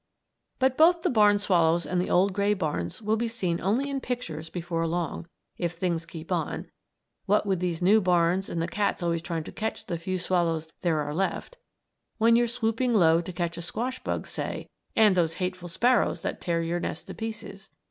But both the barn swallows and the old gray barns will be seen only in pictures before long, if things keep on; what with these new barns and the cats always trying to catch the few swallows there are left when you're swooping low to catch a squash bug, say and those hateful sparrows that tear your nest to pieces.